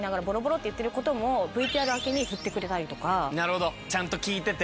なるほどちゃんと聞いてて。